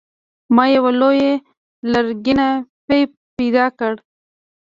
ما یوه لویه لرګینه پیپ پیدا کړه.